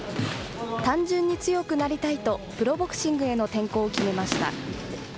単純に強くなりたいと、プロボクシングへの転向を決めました。